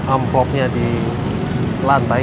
ampopnya di lantai